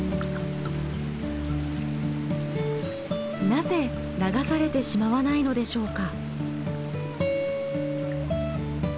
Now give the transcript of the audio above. なぜ流されてしまわないのでしょうか？